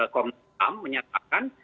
komitmen tam menyatakan